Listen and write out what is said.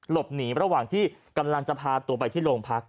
หลบหนีเป็นระหว่างที่กำลังจะพาตัวไปที่ลงพัก